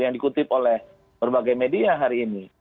yang dikutip oleh berbagai media hari ini